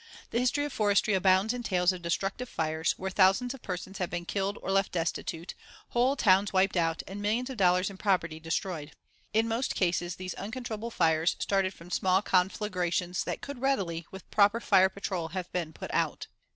The history of Forestry abounds in tales of destructive fires, where thousands of persons have been killed or left destitute, whole towns wiped out, and millions of dollars in property destroyed. In most cases, these uncontrollable fires started from small conflagrations that could readily, with proper fire patrol, have been put out.